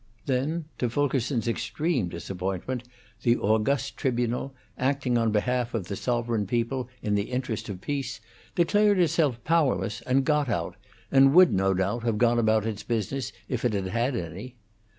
Then, to Fulkerson's extreme disappointment, the august tribunal, acting on behalf of the sovereign people in the interest of peace, declared itself powerless, and got out, and would, no doubt, have gone about its business if it had had any.